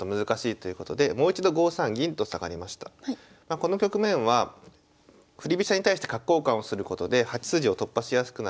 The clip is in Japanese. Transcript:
この局面は振り飛車に対して角交換をすることで８筋を突破しやすくなる。